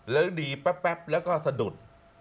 แล้วดีแป๊บแล้วก็สะดุด